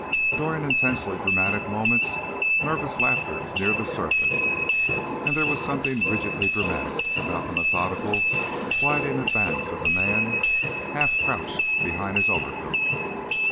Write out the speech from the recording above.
During intensely dramatic moments nervous laughter is near the surface, and there was something rigidly dramatic about the methodical, sidling advance of that man half crouched behind his overcoat.